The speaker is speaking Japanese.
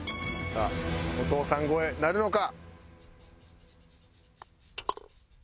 さあお父さん超えなるのか？